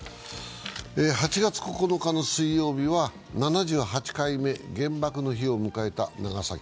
８月９日の水曜日は７８回目の原爆の日を迎えた長崎。